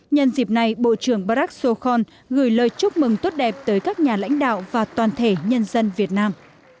nhân dịp này bộ trưởng brac sokhon gửi lời chúc mừng tốt đẹp tới các nhà lãnh đạo và toàn thể nhân dân việt nam